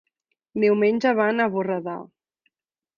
Diumenge van a Borredà.